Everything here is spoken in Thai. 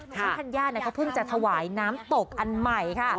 ซึ่งธัญญาเขาเพิ่งจะถวายน้ำตกอันใหม่ค่ะ